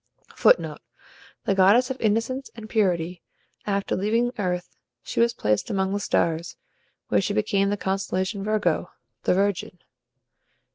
[Footnote: The goddess of innocence and purity. After leaving earth, she was placed among the stars, where she became the constellation Virgo the Virgin.